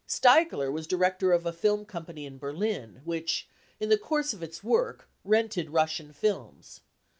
Steigler was director of a film company in Berlin which in the course of its work rented Russian films.